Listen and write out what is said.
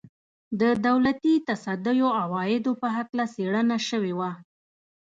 د دولتي تصدیو عوایدو په هکله څېړنه شوې وه.